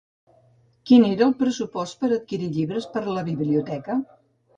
Quin era el pressupost per adquirir llibres per a la biblioteca?